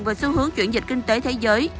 về xu hướng chuyển dịch kinh tế thế giới